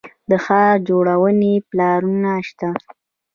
د ښار جوړونې پلانونه شته